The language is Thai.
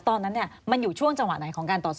ตอนนั้นมันอยู่ช่วงจังหวะไหนของการต่อสู้